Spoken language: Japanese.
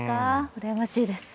うらやましいです。